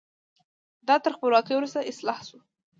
دا تر خپلواکۍ وروسته اصلاح شو.